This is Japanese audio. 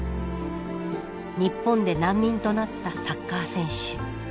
日本で難民となったサッカー選手。